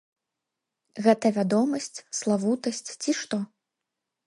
Гэта вядомасць, славутасць ці што?